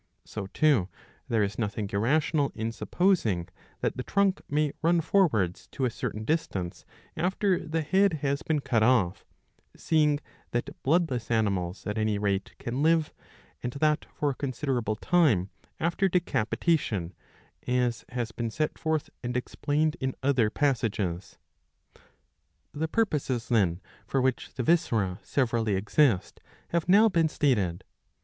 So too there is nothing irrational in supposing that the trunk may run forwards to a certain distance after the head has been cut off; seeing that bloodless animals at any rate can live, and that for a considerable time, after decapitation, as has been set forth and explained in other passages.'^ 673 a. iii. 10 — iii. I2. 85 The purposes then for which the viscera severally exist have now been stated.